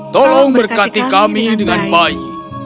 tolong berkati kami dengan baik